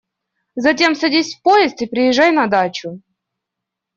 Затем садись в поезд и приезжай на дачу…